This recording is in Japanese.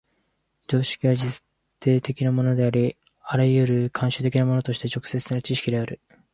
常識は実定的なものであり、或る慣習的なものとして直接的な知識である。